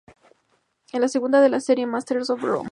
Es la segunda de la serie "Masters of Rome".